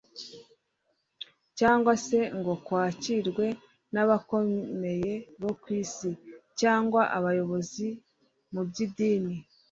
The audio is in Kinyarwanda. cyangwa se ngo kwakirwe n'abakomeve bo ku isi cyangwa abayobozi mu by'idini,